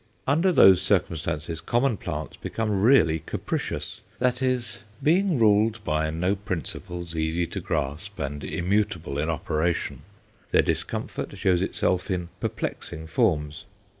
Under those circumstances common plants become really capricious that is, being ruled by no principles easy to grasp and immutable in operation, their discomfort shows itself in perplexing forms.